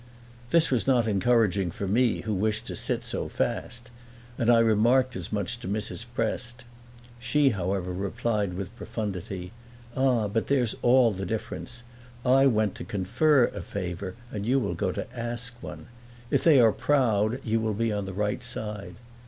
This was not encouraging for me, who wished to sit so fast, and I remarked as much to Mrs. Prest. She however replied with profundity, "Ah, but there's all the difference: I went to confer a favor and you will go to ask one. If they are proud you will be on the right side."